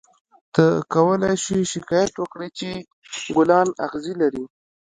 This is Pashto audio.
ته کولای شې شکایت وکړې چې ګلان اغزي لري.